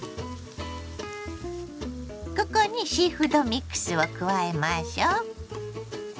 ここにシーフードミックスを加えましょ。